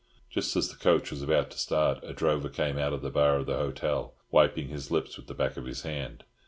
Just as the coach was about to start a drover came out of the bar of the hotel, wiping his lips with the back of his hand.